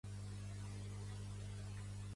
Pertany al moviment independentista el Albano?